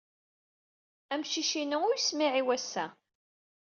Amcic inu u yessemɛiw-c ass-a.